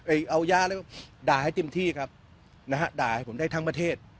เอายาอะไรด่าให้เต็มที่ครับนะฮะด่าให้ผมได้ทั้งประเทศ